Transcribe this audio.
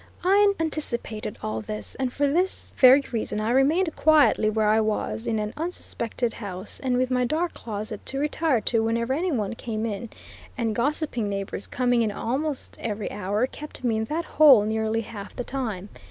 I anticipated all this, and for this very reason I remained quietly where I was, in an unsuspected house, and with my dark closet to retire to whenever any one came in; and gossiping neighbors coming in almost every hour, kept me in that hole nearly half the time.